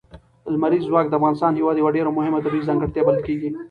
لمریز ځواک د افغانستان هېواد یوه ډېره مهمه طبیعي ځانګړتیا بلل کېږي.